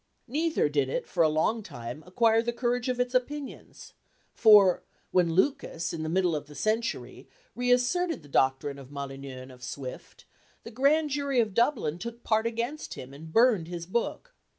Neither did it for a long time acquire the courage of its opinions; for, when Lucas, in the middle of the century, reasserted the doctrine of Molyneux and of Swift, the Grand Jury of Dublin took part against him, and burned his book.